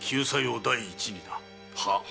はっ。